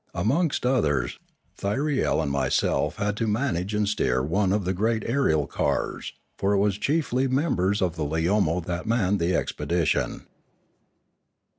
Amongst others Thyriel and myself had to manage and steer one of the great aerial cars, for it was chiefly members of the Leomo that manned the expedition.